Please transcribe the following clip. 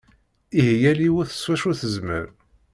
Ihi yal yiwet s wacu tezmer.